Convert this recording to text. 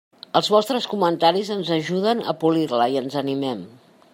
Els vostres comentaris ens ajuden a polir-la, i ens animen.